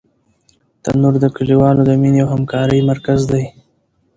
تنور د کلیوالو د مینې او همکارۍ مرکز دی